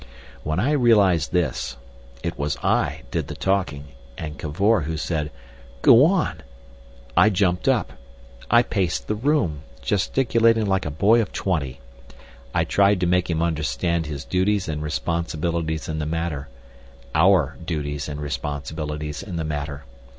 When I realised this, it was I did the talking, and Cavor who said, "Go on!" I jumped up. I paced the room, gesticulating like a boy of twenty. I tried to make him understand his duties and responsibilities in the matter—our duties and responsibilities in the matter.